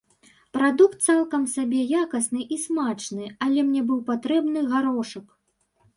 Прадукт цалкам сабе якасны і смачны, але мне быў патрэбны гарошак.